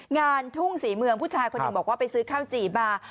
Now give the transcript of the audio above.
งานทุ่งศรีเมืองผู้ชายคนหนึ่งบอกว่าไปซื้อข้าวจี่มา